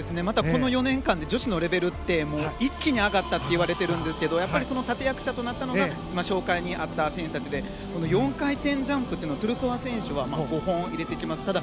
この４年間で女子のレベルって一気に上がったって言われているんですがやっぱりその立役者となったのが今、紹介にあった選手たちで４回転ジャンプというのをトゥルソワ選手は５本入れてきます。